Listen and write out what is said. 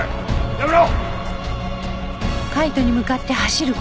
やめろ！